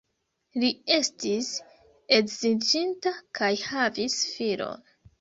Li estis edziĝinta kaj havis filon.